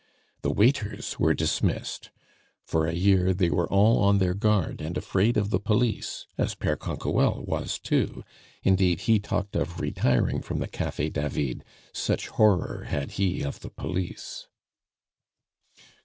The waiters were dismissed; for a year they were all on their guard and afraid of the police as Pere Canquoelle was too; indeed, he talked of retiring from the Cafe David, such horror had he of the police.